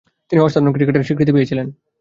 তিনি অসাধারণ ক্রিকেটারের স্বীকৃতি পেয়েছিলেন।